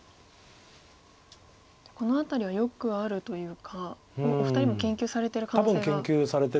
この辺りはよくあるというかお二人も研究されてる可能性が。